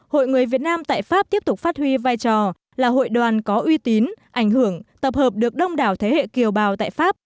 hội người việt nam tại pháp tiếp tục phát huy vai trò là hội đoàn có uy tín ảnh hưởng tập hợp được đông đảo thế hệ kiều bào tại pháp